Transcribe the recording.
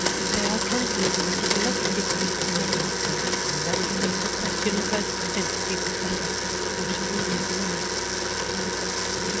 Say I have come here with news of a legacy for Mrs. Noel Vanstone, and that there is a question of her identity to settle before she can receive the money."